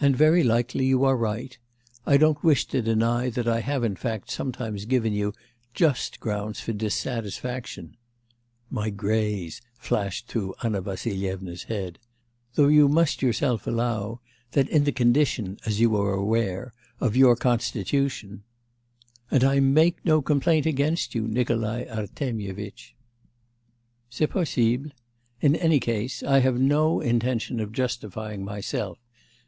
'And very likely you are right. I don't wish to deny that I have in fact sometimes given you just grounds for dissatisfaction' ("my greys!" flashed through Anna Vassilyevna's head), 'though you must yourself allow, that in the condition, as you are aware, of your constitution ' 'And I make no complaint against you, Nikolai Artemyevitch.' 'C'est possible. In any case, I have no intention of justifying myself.